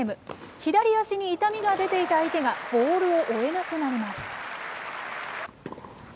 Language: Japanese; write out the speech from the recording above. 左足に痛みが出ていた相手が、ボールを追えなくなります。